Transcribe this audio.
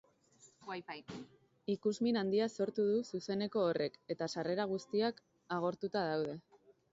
Ikusmin handia sortu du zuzeneko horrek eta sarrera guztiak agortuta daude.